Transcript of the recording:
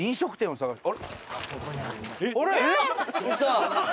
あれ？